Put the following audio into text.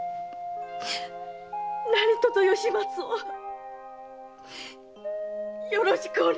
何とぞ吉松をよろしくお願いいたします。